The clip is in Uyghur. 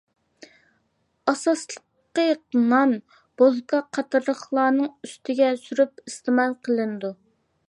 ئاساسلىقى نان، بولكا قاتارلىقلارنىڭ ئۈستىگە سۈرۈپ، ئىستېمال قىلىنىدۇ.